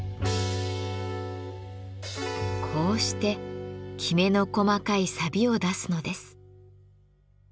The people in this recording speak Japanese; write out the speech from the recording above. こうしてきめの細かいさびを出すのです。